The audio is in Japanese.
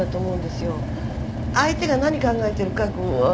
相手が何考えてるかこう。